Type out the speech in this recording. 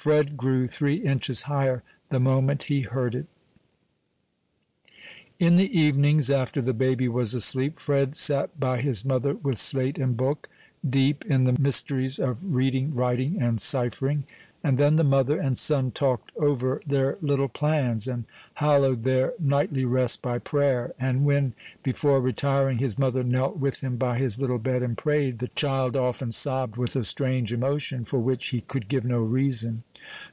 Fred grew three inches higher the moment he heard it. In the evenings after the baby was asleep, Fred sat by his mother with slate and book, deep in the mysteries of reading, writing, and ciphering; and then the mother and son talked over their little plans, and hallowed their nightly rest by prayer; and when, before retiring, his mother knelt with him by his little bed and prayed, the child often sobbed with a strange emotion, for which he could give no reason.